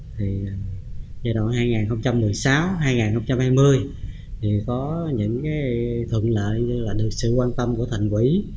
thì giai đoạn hai nghìn một mươi sáu hai nghìn hai mươi thì có những cái thuận lợi như là được sự quan tâm của thành quỹ